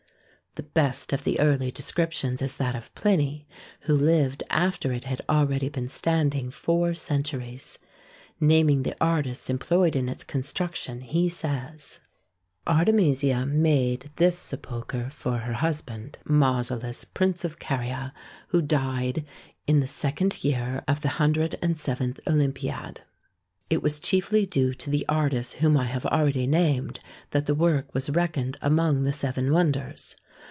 The best of the early descriptions is that of Pliny, who lived after it had already been standing four centuries. Naming the artists employed in its construction, he says : Artemisia made this sepulchre for her husband, Mausolus, Prince of Caria, who died in the second o J3 O 3 OT a o o THE TOMB OF KING MAUSOLLJS 137 year of the hundred and seventh Olympiad. It was chiefly due to the artists whom I have already named that the work was reckoned among the seven wonders.